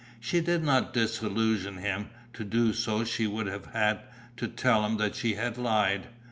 She did not disillusion him; to do so she would have had to tell him that she had lied.